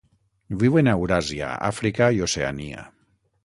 Viuen a Euràsia, Àfrica i Oceania.